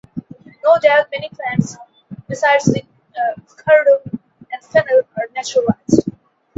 No doubt many plants, besides the cardoon and fennel, are naturalized.